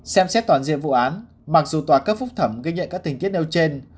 xem xét toàn diện vụ án mặc dù tòa cấp phúc thẩm ghi nhận các tình tiết nêu trên